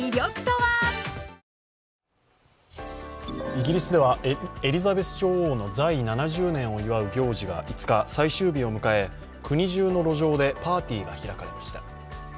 イギリスではエリザベス女王の在位７０年を祝う行事が５日、最終日を迎え、国じゅうの路上でパーティーが開かれました。